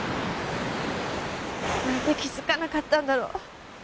何で気づかなかったんだろう